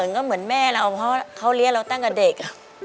ก็เหมือนแม่เราเพราะเขาเลี้ยงเราตั้งแต่เด็ก